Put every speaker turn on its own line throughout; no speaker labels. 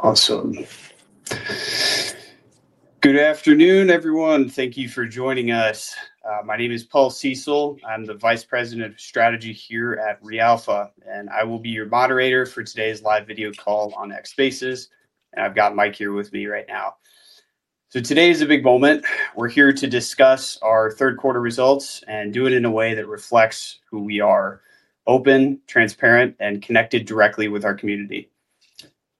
Awesome. Good afternoon, everyone. Thank you for joining us. My name is Paul Cecil. I'm the Vice President of Strategy here at reAlpha, and I will be your moderator for today's live video call on X Basis. I've got Mike here with me right now. Today is a big moment. We're here to discuss our third quarter results and do it in a way that reflects who we are: open, transparent, and connected directly with our community.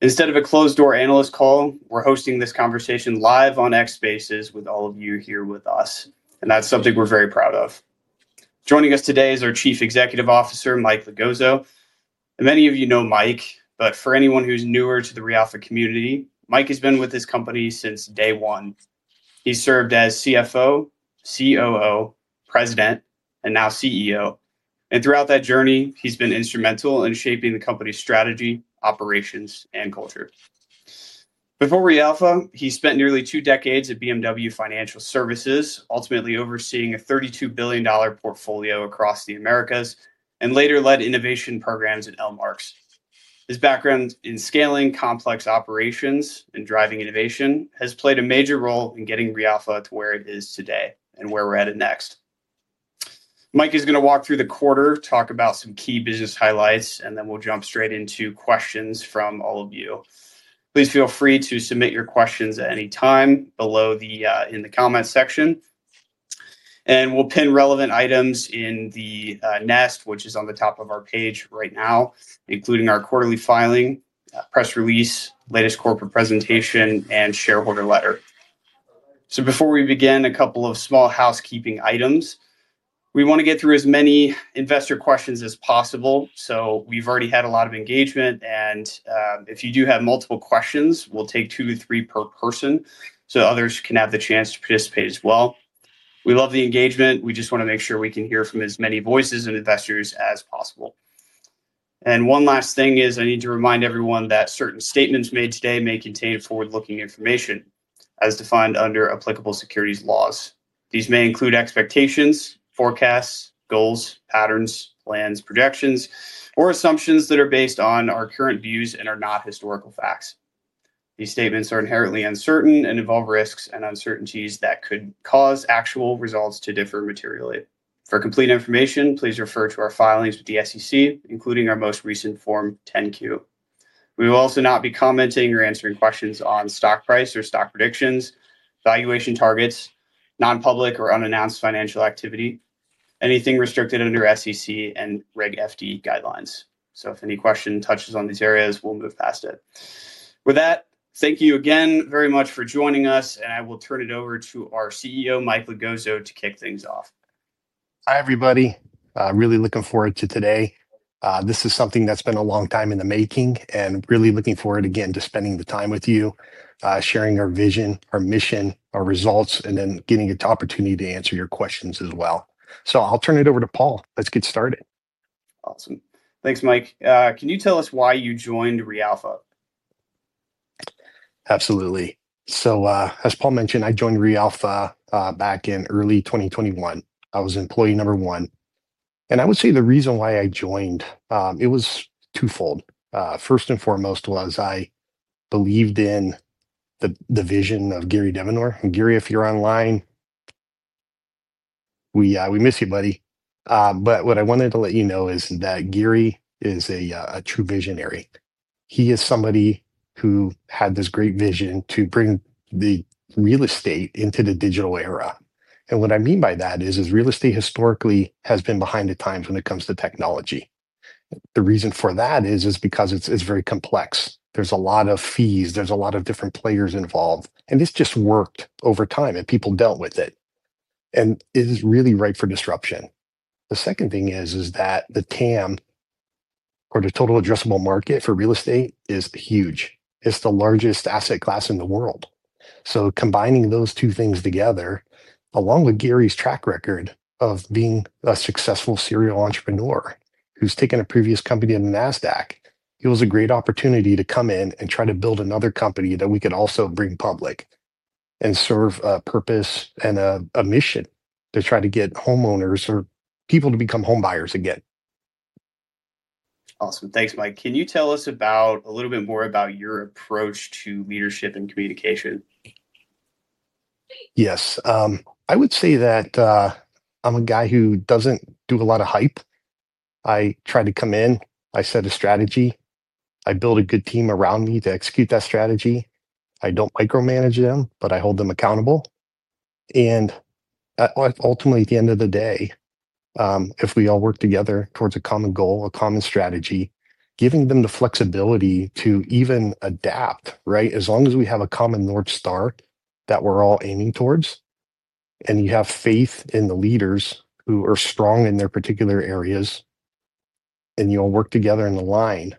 Instead of a closed-door analyst call, we're hosting this conversation live on X Basis with all of you here with us, and that's something we're very proud of. Joining us today is our Chief Executive Officer, Mike Logozzo. Many of you know Mike, but for anyone who's newer to the reAlpha community, Mike has been with this company since day one. He's served as CFO, COO, President, and now CEO. Throughout that journey, he's been instrumental in shaping the company's strategy, operations, and culture. Before reAlpha, he spent nearly two decades at BMW Financial Services, ultimately overseeing a $32 billion portfolio across the Americas and later led innovation programs at L Marks. His background in scaling complex operations and driving innovation has played a major role in getting reAlpha to where it is today and where we're headed next. Mike is going to walk through the quarter, talk about some key business highlights, and then we'll jump straight into questions from all of you. Please feel free to submit your questions at any time below in the comments section, and we'll pin relevant items in the nest, which is on the top of our page right now, including our quarterly filing, press release, latest corporate presentation, and shareholder letter. Before we begin, a couple of small housekeeping items. We want to get through as many investor questions as possible. We have already had a lot of engagement, and if you do have multiple questions, we will take two to three per person so others can have the chance to participate as well. We love the engagement. We just want to make sure we can hear from as many voices and investors as possible. One last thing is I need to remind everyone that certain statements made today may contain forward-looking information as defined under applicable securities laws. These may include expectations, forecasts, goals, patterns, plans, projections, or assumptions that are based on our current views and are not historical facts. These statements are inherently uncertain and involve risks and uncertainties that could cause actual results to differ materially. For complete information, please refer to our filings with the SEC, including our most recent Form 10-Q. We will also not be commenting or answering questions on stock price or stock predictions, valuation targets, nonpublic or unannounced financial activity, anything restricted under SEC and Reg FD guidelines. If any question touches on these areas, we'll move past it. With that, thank you again very much for joining us, and I will turn it over to our CEO, Mike Logozzo, to kick things off.
Hi, everybody. I'm really looking forward to today. This is something that's been a long time in the making, and I'm really looking forward, again, to spending the time with you, sharing our vision, our mission, our results, and then getting an opportunity to answer your questions as well. I'll turn it over to Paul. Let's get started.
Awesome. Thanks, Mike. Can you tell us why you joined reAlpha?
Absolutely. As Paul mentioned, I joined reAlpha back in early 2021. I was employee number one. I would say the reason why I joined, it was twofold. First and foremost was I believed in the vision of Giri Devanur. Giri, if you're online, we miss you, buddy. What I wanted to let you know is that Giri is a true visionary. He is somebody who had this great vision to bring the real estate into the digital era. What I mean by that is real estate historically has been behind the times when it comes to technology. The reason for that is because it's very complex. There's a lot of fees. There's a lot of different players involved. This just worked over time, and people dealt with it. It is really ripe for disruption. The second thing is that the TAM, or the Total Addressable Market for Real Estate, is huge. It's the largest asset class in the world. Combining those two things together, along with Giri's track record of being a successful serial entrepreneur who's taken a previous company to the NASDAQ, it was a great opportunity to come in and try to build another company that we could also bring public and serve a purpose and a mission to try to get homeowners or people to become home buyers again.
Awesome. Thanks, Mike. Can you tell us a little bit more about your approach to leadership and communication?
Yes. I would say that I'm a guy who doesn't do a lot of hype. I try to come in. I set a strategy. I build a good team around me to execute that strategy. I don't micromanage them, but I hold them accountable. Ultimately, at the end of the day, if we all work together towards a common goal, a common strategy, giving them the flexibility to even adapt, right, as long as we have a common North Star that we're all aiming towards, and you have faith in the leaders who are strong in their particular areas, and you all work together in the line,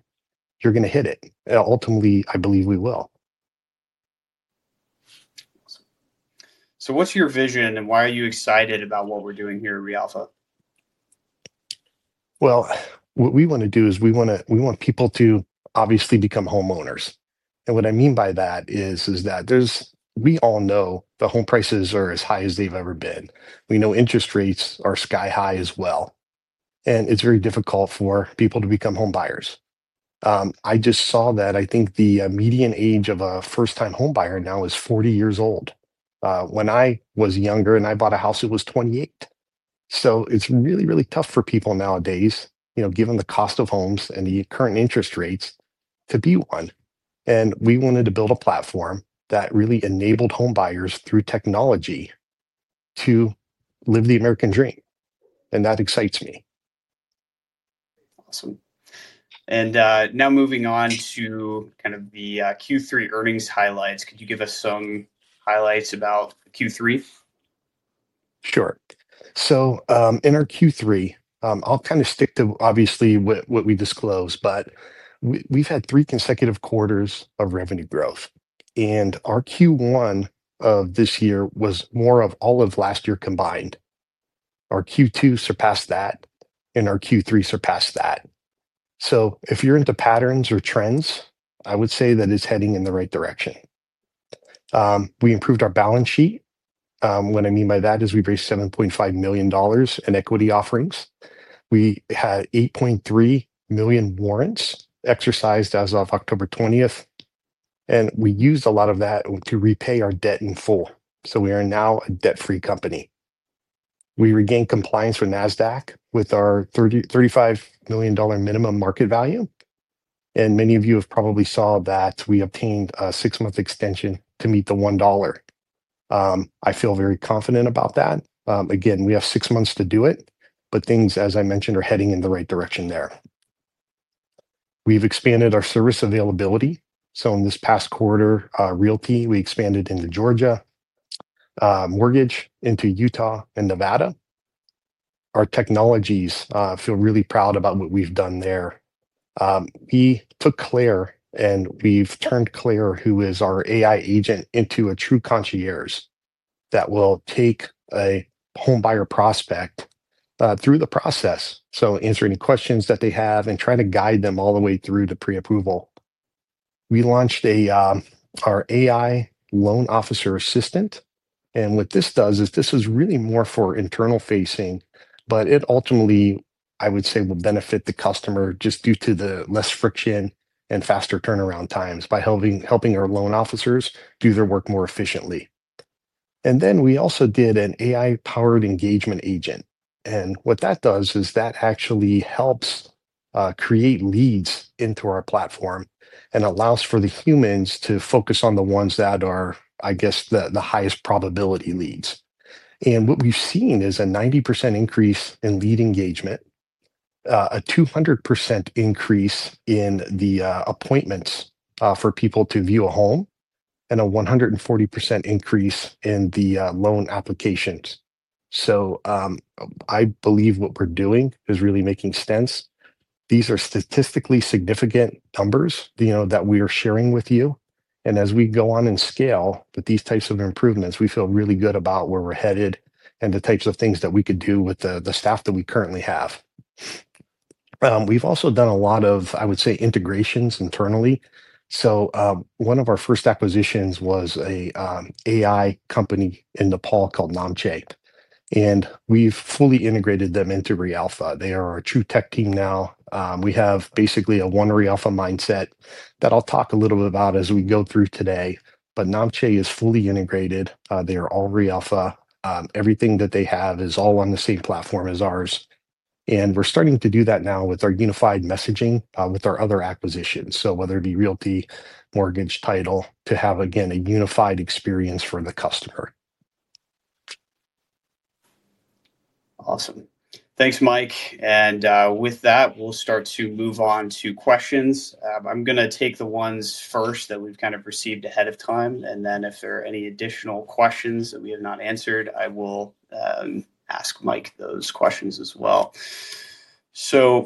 you're going to hit it. Ultimately, I believe we will.
What's your vision, and why are you excited about what we're doing here at reAlpha?
What we want to do is we want people to obviously become homeowners. What I mean by that is that we all know the home prices are as high as they've ever been. We know interest rates are sky high as well. It's very difficult for people to become home buyers. I just saw that I think the median age of a first-time home buyer now is 40 years old. When I was younger and I bought a house, it was 28 years. It's really, really tough for people nowadays, given the cost of homes and the current interest rates, to be one. We wanted to build a platform that really enabled home buyers through technology to live the American dream. That excites me.
Awesome. Now moving on to kind of the Q3 earnings highlights, could you give us some highlights about Q3?
Sure. In our Q3, I'll kind of stick to, obviously, what we disclosed, but we've had three consecutive quarters of revenue growth. Our Q1 of this year was more than all of last year combined. Our Q2 surpassed that, and our Q3 surpassed that. If you're into patterns or trends, I would say that it's heading in the right direction. We improved our balance sheet. What I mean by that is we raised $7.5 million in equity offerings. We had $8.3 million warrants exercised as of October 20th. We used a lot of that to repay our debt in full. We are now a debt-free company. We regained compliance with NASDAQ with our $35 million minimum market value. Many of you have probably seen that we obtained a six-month extension to meet the $1. I feel very confident about that. Again, we have six months to do it, but things, as I mentioned, are heading in the right direction there. We've expanded our service availability. In this past quarter, Realty, we expanded into Georgia, Mortgage into Utah and Nevada. Our technologies feel really proud about what we've done there. We took Claire, and we've turned Claire, who is our AI agent, into a true concierge that will take a home buyer prospect through the process, answering questions that they have and trying to guide them all the way through to pre-approval. We launched our AI Loan Officer Assistant. What this does is this is really more for internal facing, but it ultimately, I would say, will benefit the customer just due to the less friction and faster turnaround times by helping our loan officers do their work more efficiently. We also did an AI-powered Engagement Agent. What that does is that actually helps create leads into our platform and allows for the humans to focus on the ones that are, I guess, the highest probability leads. What we've seen is a 90% increase in lead engagement, a 200% increase in the appointments for people to view a home, and a 140% increase in the loan applications. I believe what we're doing is really making sense. These are statistically significant numbers that we are sharing with you. As we go on and scale with these types of improvements, we feel really good about where we're headed and the types of things that we could do with the staff that we currently have. We've also done a lot of, I would say, integrations internally. One of our first acquisitions was an AI company in Nepal called Naamche. We have fully integrated them into reAlpha. They are our true tech team now. We have basically a one reAlpha mindset that I'll talk a little bit about as we go through today. Naamche is fully integrated. They are all reAlpha. Everything that they have is all on the same platform as ours. We're starting to do that now with our unified messaging with our other acquisitions, so whether it be Mortgage, Title, to have, again, a unified experience for the customer.
Awesome. Thanks, Mike. With that, we'll start to move on to questions. I'm going to take the ones first that we've kind of received ahead of time. If there are any additional questions that we have not answered, I will ask Mike those questions as well.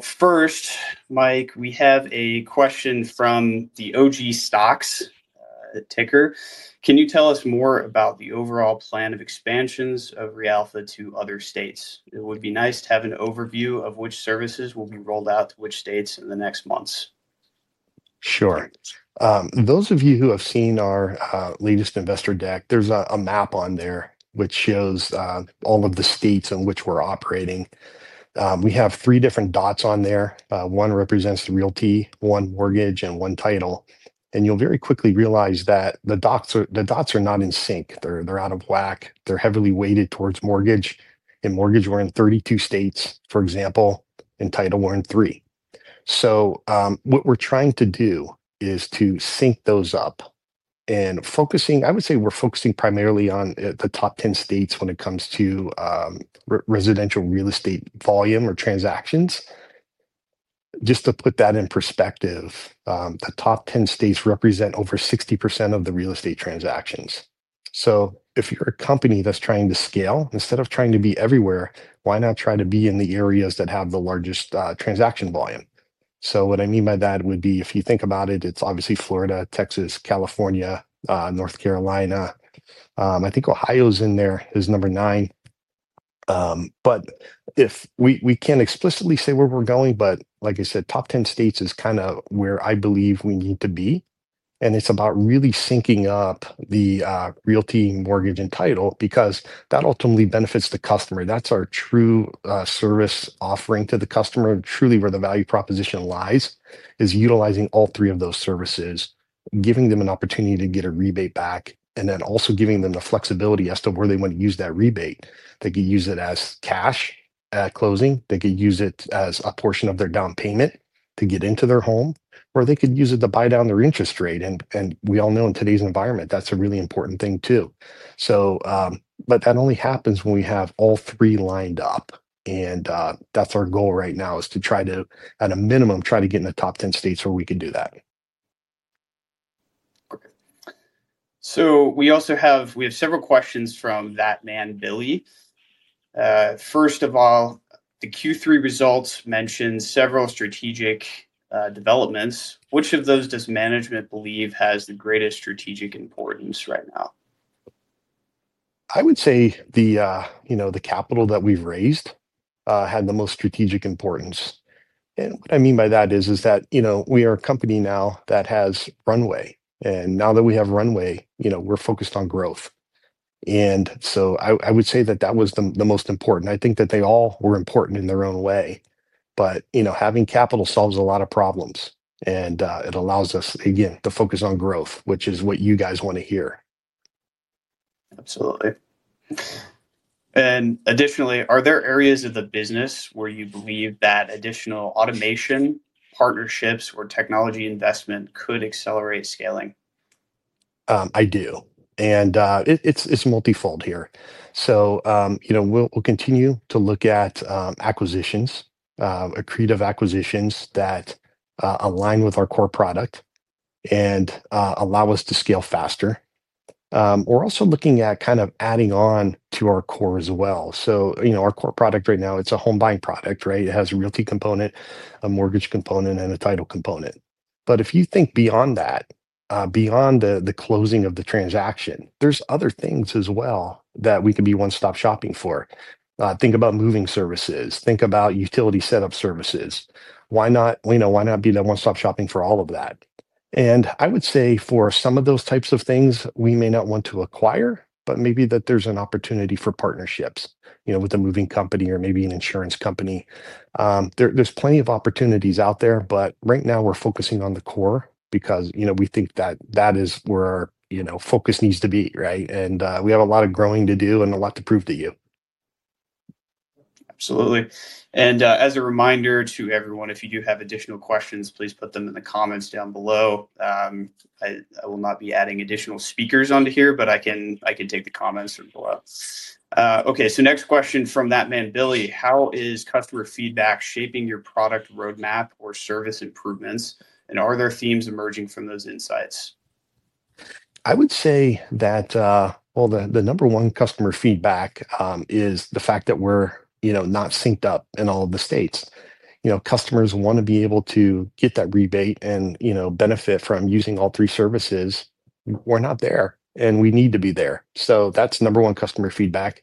First, Mike, we have a question from the OG Stocks ticker. Can you tell us more about the overall plan of expansions of reAlpha to other states? It would be nice to have an overview of which services will be rolled out to which states in the next months.
Sure. Those of you who have seen our latest investor deck, there's a map on there which shows all of the states in which we're operating. We have three different dots on there. One represents the Realty, one Mortgage, and one Title. You will very quickly realize that the dots are not in sync. They're out of whack. They're heavily weighted towards Mortgage. In Mortgage, we're in 32 states, for example, and Title, we're in three. What we're trying to do is to sync those up. I would say we're focusing primarily on the top 10 states when it comes to residential real estate volume or transactions. Just to put that in perspective, the top 10 states represent over 60% of the real estate transactions. If you're a company that's trying to scale, instead of trying to be everywhere, why not try to be in the areas that have the largest transaction volume? What I mean by that would be, if you think about it, it's obviously Florida, Texas, California, North Carolina. I think Ohio is in there as number nine. We can't explicitly say where we're going, but like I said, top 10 states is kind of where I believe we need to be. It's about really syncing up the Realty, Mortgage, and Title because that ultimately benefits the customer. That's our true service offering to the customer. Truly, where the value proposition lies is utilizing all three of those services, giving them an opportunity to get a rebate back, and then also giving them the flexibility as to where they want to use that rebate. They could use it as cash at closing. They could use it as a portion of their down payment to get into their home, or they could use it to buy down their interest rate. We all know in today's environment, that's a really important thing too. That only happens when we have all three lined up. That's our goal right now is to try to, at a minimum, try to get in the top 10 states where we could do that.
Okay. We have several questions from That Man, Billy. First of all, the Q3 results mention several strategic developments. Which of those does management believe has the greatest strategic importance right now?
I would say the capital that we've raised had the most strategic importance. What I mean by that is that we are a company now that has runway. Now that we have runway, we're focused on growth. I would say that that was the most important. I think that they all were important in their own way. Having capital solves a lot of problems. It allows us, again, to focus on growth, which is what you guys want to hear.
Absolutely. Additionally, are there areas of the business where you believe that additional automation, partnerships, or technology investment could accelerate scaling?
I do. It is multifold here. We will continue to look at acquisitions, accretive acquisitions that align with our core product and allow us to scale faster. We are also looking at kind of adding on to our core as well. Our core product right now, it is a home buying product, right? It has a Realty component, a Mortgage component, and a Title component. If you think beyond that, beyond the closing of the transaction, there are other things as well that we could be one-stop shopping for. Think about moving services. Think about utility setup services. Why not be the one-stop shopping for all of that? I would say for some of those types of things, we may not want to acquire, but maybe there is an opportunity for partnerships with a moving company or maybe an insurance company. There's plenty of opportunities out there, but right now we're focusing on the core because we think that that is where our focus needs to be, right? We have a lot of growing to do and a lot to prove to you.
Absolutely. As a reminder to everyone, if you do have additional questions, please put them in the comments down below. I will not be adding additional speakers onto here, but I can take the comments from below. Okay. Next question from That Man, Billy. How is customer feedback shaping your product roadmap or service improvements? Are there themes emerging from those insights?
I would say that, the number one customer feedback is the fact that we're not synced up in all of the states. Customers want to be able to get that rebate and benefit from using all three services. We're not there, and we need to be there. That's number one customer feedback.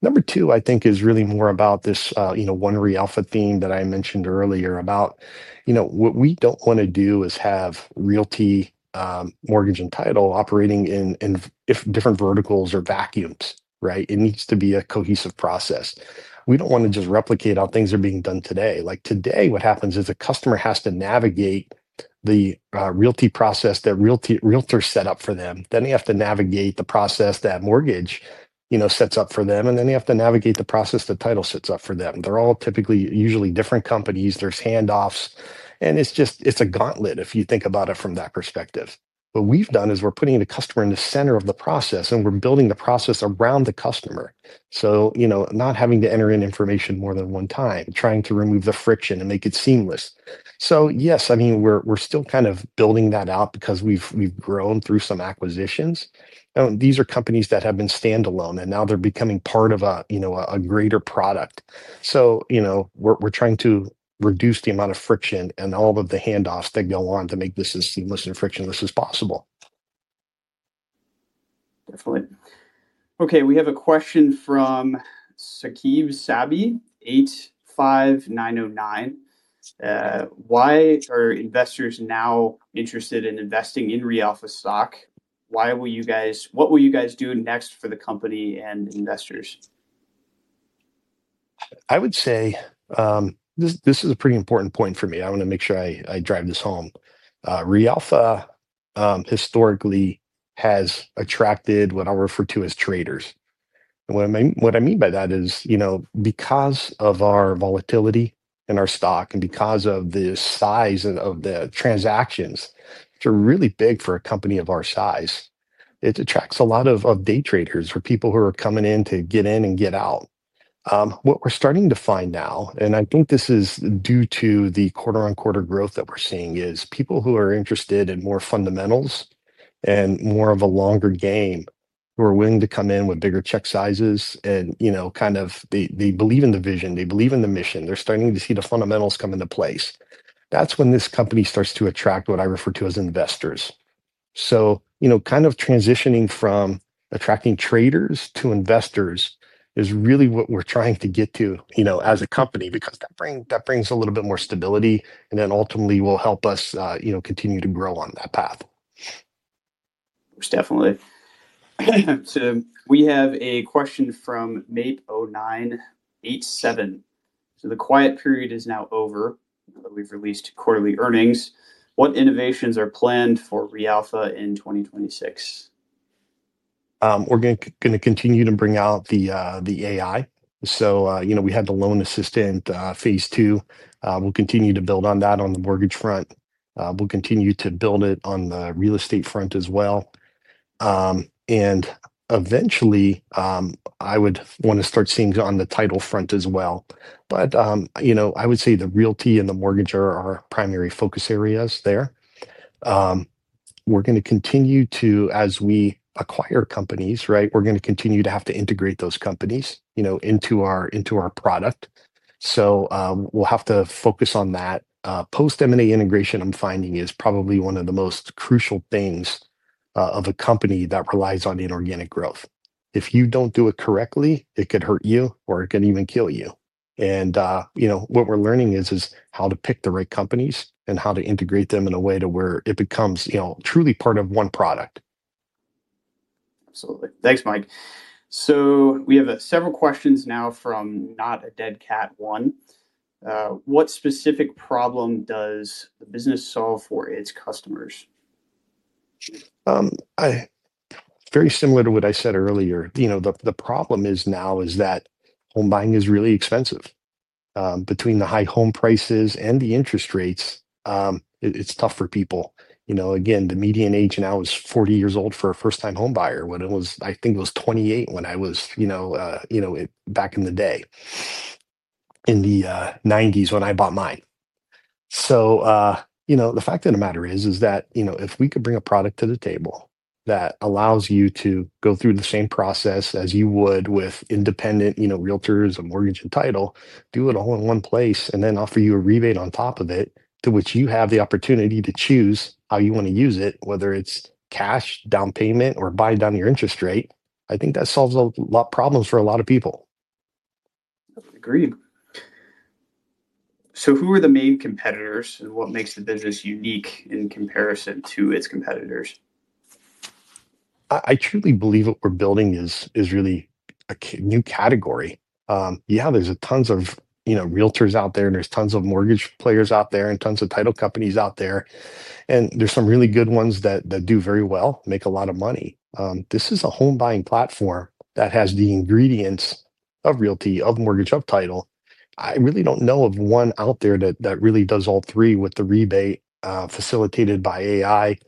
Number two, I think, is really more about this one reAlpha theme that I mentioned earlier about what we don't want to do is have Realty, Mortgage, and Title operating in different verticals or vacuums, right? It needs to be a cohesive process. We don't want to just replicate how things are being done today. Like today, what happens is a customer has to navigate the Realty process that Realtor set up for them. Then they have to navigate the process that Mortgage sets up for them. They have to navigate the process that Title sets up for them. They're all typically usually different companies. There's handoffs. It's a gauntlet if you think about it from that perspective. What we've done is we're putting the customer in the center of the process, and we're building the process around the customer. Not having to enter in information more than one time, trying to remove the friction and make it seamless. Yes, I mean, we're still kind of building that out because we've grown through some acquisitions. These are companies that have been standalone, and now they're becoming part of a greater product. We're trying to reduce the amount of friction and all of the handoffs that go on to make this as seamless and frictionless as possible.
Definitely. Okay. We have a question from Saqib Sabi, 85909. Why are investors now interested in investing in reAlpha stock? What will you guys do next for the company and investors?
I would say this is a pretty important point for me. I want to make sure I drive this home. reAlpha historically has attracted what I refer to as traders. And what I mean by that is because of our volatility in our stock and because of the size of the transactions, which are really big for a company of our size, it attracts a lot of day traders or people who are coming in to get in and get out. What we're starting to find now, and I think this is due to the quarter-on-quarter growth that we're seeing, is people who are interested in more fundamentals and more of a longer game who are willing to come in with bigger check sizes and kind of they believe in the vision. They believe in the mission. They're starting to see the fundamentals come into place. That's when this company starts to attract what I refer to as investors. Kind of transitioning from attracting traders to investors is really what we're trying to get to as a company because that brings a little bit more stability and then ultimately will help us continue to grow on that path.
Most definitely. We have a question from Map0987. The quiet period is now over. We've released quarterly earnings. What innovations are planned for reAlpha in 2026?
We're going to continue to bring out the AI. We had the loan assistant phase II. We'll continue to build on that on the mortgage front. We'll continue to build it on the real estate front as well. Eventually, I would want to start seeing it on the title front as well. I would say the Realty and the Mortgage are our primary focus areas there. We're going to continue to, as we acquire companies, we're going to continue to have to integrate those companies into our product. We'll have to focus on that. Post-M&A integration, I'm finding, is probably one of the most crucial things of a company that relies on inorganic growth. If you don't do it correctly, it could hurt you or it could even kill you. What we're learning is how to pick the right companies and how to integrate them in a way to where it becomes truly part of one product.
Absolutely. Thanks, Mike. We have several questions now from Not a Dead Cat One. What specific problem does the business solve for its customers?
Very similar to what I said earlier. The problem now is that home buying is really expensive. Between the high home prices and the interest rates, it's tough for people. Again, the median age now is 40 years old for a first-time home buyer, when it was, I think it was 28 years when I was back in the day, in the 1990s when I bought mine. The fact of the matter is that if we could bring a product to the table that allows you to go through the same process as you would with independent Realty and Mortgage and Title, do it all in one place, and then offer you a rebate on top of it, to which you have the opportunity to choose how you want to use it, whether it's cash, down payment, or buy down your interest rate, I think that solves a lot of problems for a lot of people.
Agreed. Who are the main competitors and what makes the business unique in comparison to its competitors?
I truly believe what we're building is really a new category. Yeah, there's tons of Realtors out there, and there's tons of mortgage players out there and tons of title companies out there. There's some really good ones that do very well, make a lot of money. This is a home buying platform that has the ingredients of Realty, of Mortgage, of Title. I really don't know of one out there that really does all three with the rebate facilitated by AI.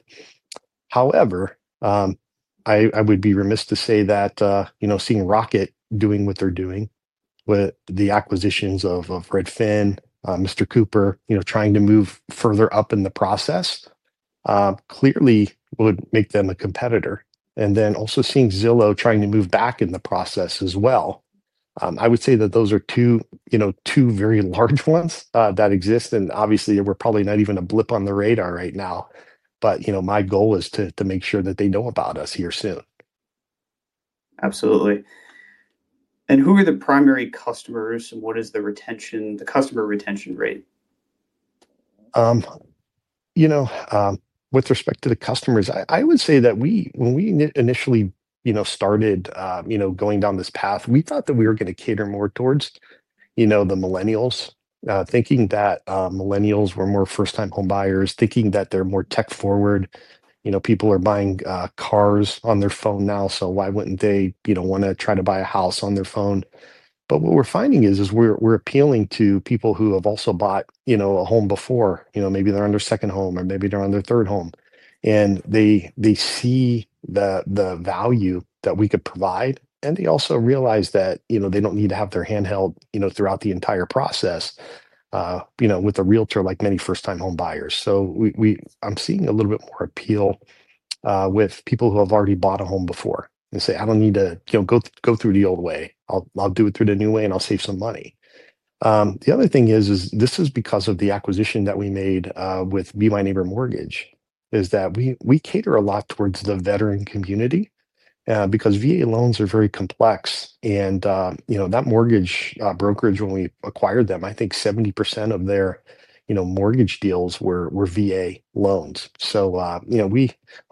However, I would be remiss to say that seeing Rocket doing what they're doing with the acquisitions of Redfin, Mr. Cooper, trying to move further up in the process, clearly would make them a competitor. Also seeing Zillow trying to move back in the process as well. I would say that those are two very large ones that exist. Obviously, we're probably not even a blip on the radar right now. My goal is to make sure that they know about us here soon.
Absolutely. Who are the primary customers and what is the customer retention rate?
With respect to the customers, I would say that when we initially started going down this path, we thought that we were going to cater more towards the millennials, thinking that millennials were more first-time home buyers, thinking that they're more tech-forward. People are buying cars on their phone now, so why wouldn't they want to try to buy a house on their phone? What we're finding is we're appealing to people who have also bought a home before. Maybe they're on their second home or maybe they're on their third home. They see the value that we could provide. They also realize that they don't need to have their handheld throughout the entire process with a Realtor like many first-time home buyers. I'm seeing a little bit more appeal with people who have already bought a home before and say, "I don't need to go through the old way. I'll do it through the new way, and I'll save some money." The other thing is this is because of the acquisition that we made with Be My Neighbor Mortgage, is that we cater a lot towards the veteran community because VA loans are very complex. That mortgage brokerage, when we acquired them, I think 70% of their mortgage deals were VA loans. We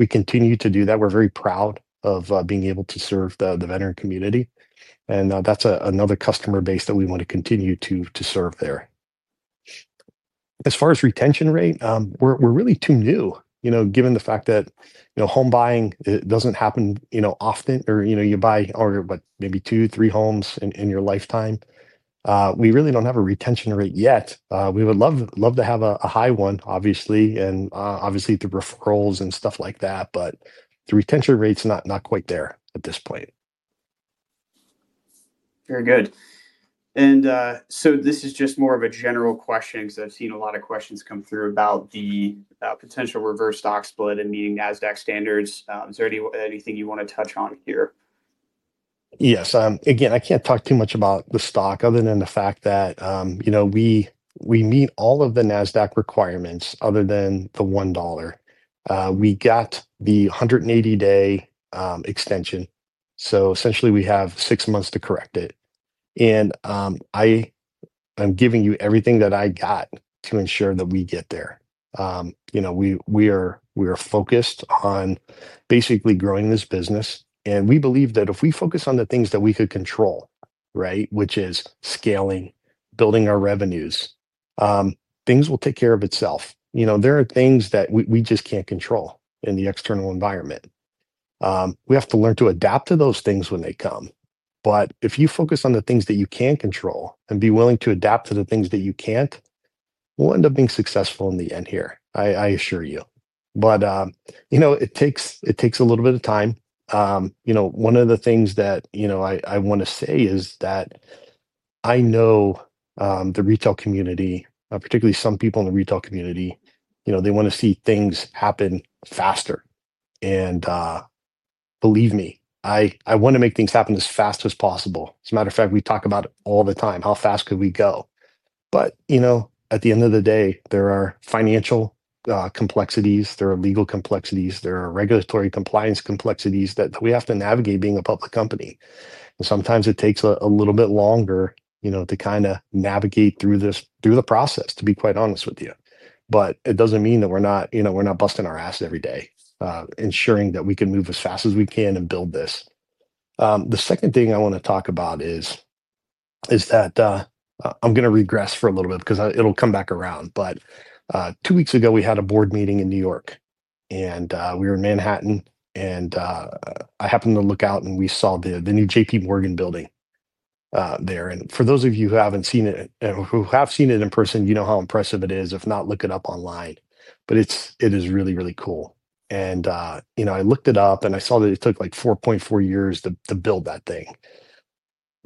continue to do that. We're very proud of being able to serve the veteran community. That's another customer base that we want to continue to serve there. As far as retention rate, we're really too new, given the fact that home buying doesn't happen often, or you buy maybe two, three homes in your lifetime. We really do not have a retention rate yet. We would love to have a high one, obviously, and obviously through referrals and stuff like that. The retention rate is not quite there at this point.
Very good. This is just more of a general question because I've seen a lot of questions come through about the potential reverse stock split and meeting NASDAQ standards. Is there anything you want to touch on here?
Yes. Again, I can't talk too much about the stock other than the fact that we meet all of the NASDAQ requirements other than the $1. We got the 180-day extension. Essentially, we have six months to correct it. I'm giving you everything that I got to ensure that we get there. We are focused on basically growing this business. We believe that if we focus on the things that we could control, right, which is scaling, building our revenues, things will take care of itself. There are things that we just can't control in the external environment. We have to learn to adapt to those things when they come. If you focus on the things that you can control and be willing to adapt to the things that you can't, we'll end up being successful in the end here, I assure you. It takes a little bit of time. One of the things that I want to say is that I know the retail community, particularly some people in the retail community, they want to see things happen faster. And believe me, I want to make things happen as fast as possible. As a matter of fact, we talk about it all the time, how fast could we go? At the end of the day, there are financial complexities. There are legal complexities. There are regulatory compliance complexities that we have to navigate being a public company. Sometimes it takes a little bit longer to kind of navigate through the process, to be quite honest with you. It does not mean that we're not busting our ass every day, ensuring that we can move as fast as we can and build this. The second thing I want to talk about is that I'm going to regress for a little bit because it'll come back around. Two weeks ago, we had a board meeting in New York. We were in Manhattan. I happened to look out, and we saw the new JP Morgan building there. For those of you who have seen it in person, you know how impressive it is. If not, look it up online. It is really, really cool. I looked it up, and I saw that it took like 4.4 years to build that thing.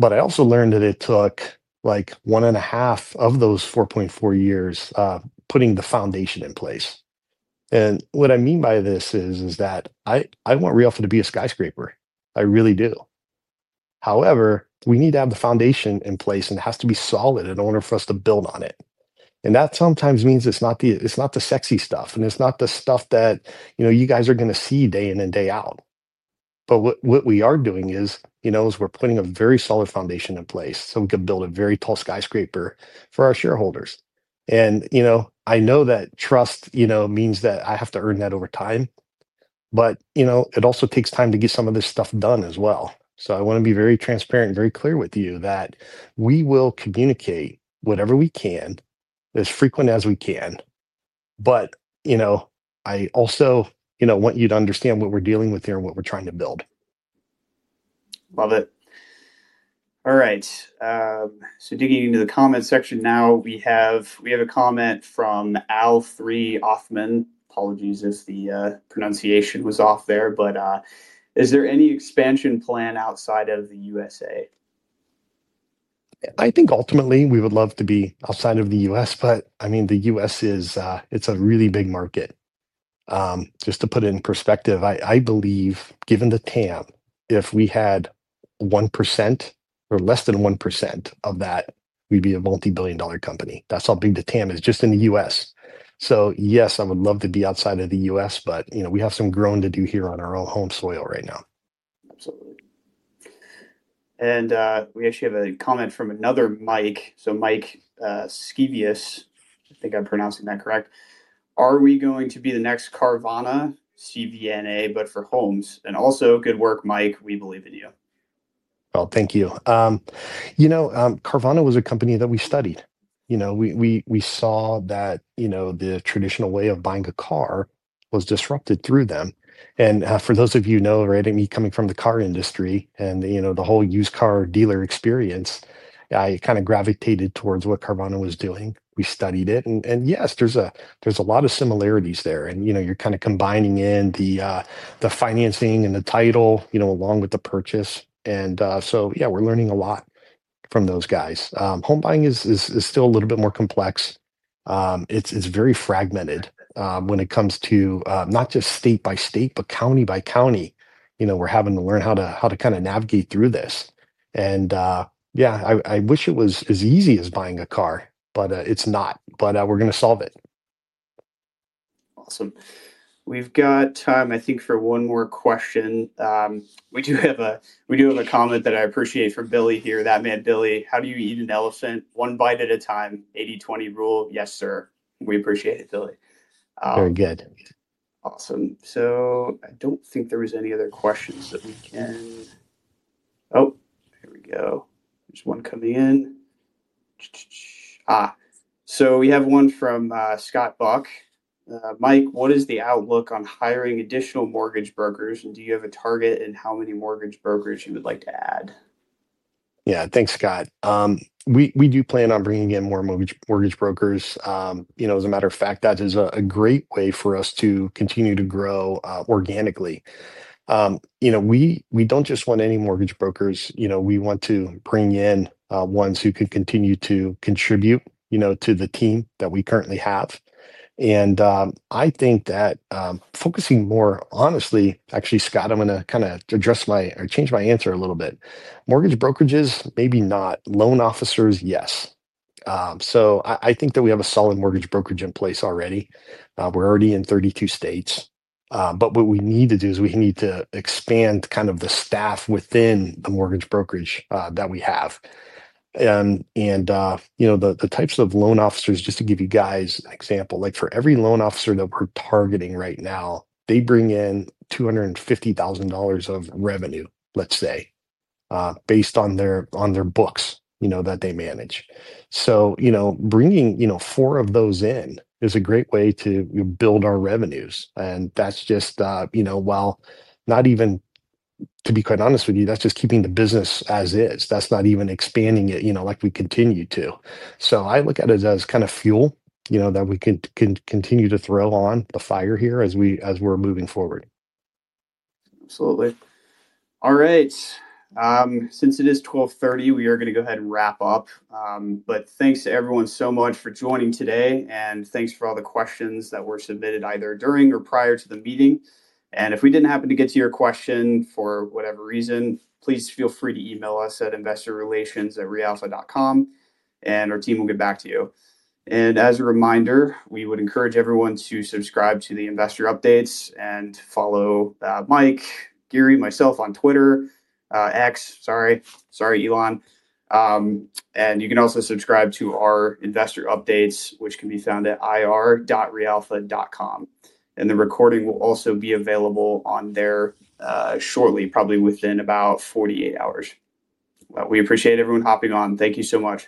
I also learned that it took like one and a half of those 4.4 years putting the foundation in place. What I mean by this is that I want reAlpha to be a skyscraper. I really do. However, we need to have the foundation in place, and it has to be solid in order for us to build on it. That sometimes means it's not the sexy stuff, and it's not the stuff that you guys are going to see day in and day out. What we are doing is we're putting a very solid foundation in place so we can build a very tall skyscraper for our shareholders. I know that trust means that I have to earn that over time. It also takes time to get some of this stuff done as well. I want to be very transparent and very clear with you that we will communicate whatever we can, as frequent as we can. I also want you to understand what we're dealing with here and what we're trying to build.
Love it. All right. Digging into the comment section now, we have a comment from Al3Offman. Apologies if the pronunciation was off there. Is there any expansion plan outside of the USA?
I think ultimately, we would love to be outside of the U.S. I mean, the U.S., it's a really big market. Just to put it in perspective, I believe, given the TAM, if we had 1% or less than 1% of that, we'd be a multi-billion-dollar company. That's how big the TAM is, just in the U.S. Yes, I would love to be outside of the U.S., but we have some growing to do here on our own home soil right now.
Absolutely. We actually have a comment from another Mike. Mike Skevius, I think I'm pronouncing that correct. Are we going to be the next Carvana (CVNA), but for homes? Also, good work, Mike. We believe in you.
Thank you. Carvana was a company that we studied. We saw that the traditional way of buying a car was disrupted through them. And for those of you who know, right, me coming from the car industry and the whole used car dealer experience, I kind of gravitated towards what Carvana was doing. We studied it. Yes, there's a lot of similarities there. You're kind of combining in the financing and the title along with the purchase. Yeah, we're learning a lot from those guys. Home buying is still a little bit more complex. It's very fragmented when it comes to not just state by state, but county by county. We're having to learn how to kind of navigate through this. I wish it was as easy as buying a car, but it's not. We're going to solve it.
Awesome. We've got time, I think, for one more question. We do have a comment that I appreciate from Billy here. That man, Billy, how do you eat an elephant? One bite at a time, 80/20 rule. Yes, sir. We appreciate it, Billy.
Very good.
Awesome. I don't think there were any other questions that we can—oh, here we go. There's one coming in. We have one from Scott Buck. Mike, what is the outlook on hiring additional mortgage brokers? Do you have a target in how many mortgage brokers you would like to add?
Yeah, thanks, Scott. We do plan on bringing in more mortgage brokers. As a matter of fact, that is a great way for us to continue to grow organically. We do not just want any mortgage brokers. We want to bring in ones who can continue to contribute to the team that we currently have. I think that focusing more honestly, actually, Scott, I am going to kind of address my or change my answer a little bit. Mortgage brokerages, maybe not. Loan officers, yes. I think that we have a solid mortgage brokerage in place already. We are already in 32 states. What we need to do is we need to expand kind of the staff within the mortgage brokerage that we have. The types of loan officers, just to give you guys an example, for every loan officer that we're targeting right now, they bring in $250,000 of revenue, let's say, based on their books that they manage. Bringing four of those in is a great way to build our revenues. That is just, to be quite honest with you, just keeping the business as is. That is not even expanding it like we continue to. I look at it as kind of fuel that we can continue to throw on the fire here as we're moving forward.
Absolutely. All right. Since it is 12:30, we are going to go ahead and wrap up. Thanks to everyone so much for joining today. Thanks for all the questions that were submitted either during or prior to the meeting. If we did not happen to get to your question for whatever reason, please feel free to email us at investorrelations@realpha.com. Our team will get back to you. As a reminder, we would encourage everyone to subscribe to the investor updates and follow Mike, Gary, and myself on Twitter, X, sorry, Elon. You can also subscribe to our investor updates, which can be found at irre.realpha.com. The recording will also be available on there shortly, probably within about 48 hours. We appreciate everyone hopping on. Thank you so much.